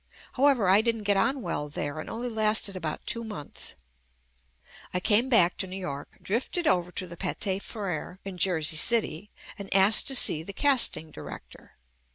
However, I didn't get on well there and only lasted about two months. I came back to New York, drifted over to the Pathe Freres in Jersey City and asked to see the Casting Director.